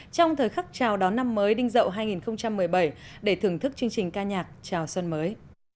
trong thời khắc chào đón năm mới đinh dậu hai nghìn một mươi bảy để thưởng thức chương trình ca nhạc chào xuân mới